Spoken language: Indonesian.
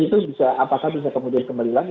itu bisa apakah bisa kemudian kembali lagi